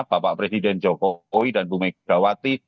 bapak presiden jokowi dan bu megawati